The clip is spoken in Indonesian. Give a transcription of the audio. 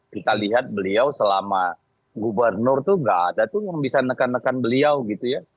kita lihat beliau selama gubernur tuh gak ada tuh yang bisa nekan nekan beliau gitu ya